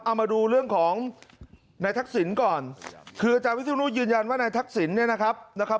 เอามาดูเรื่องของนายทักษิณก่อนคืออาจารย์วิศนุยืนยันว่านายทักษิณเนี่ยนะครับ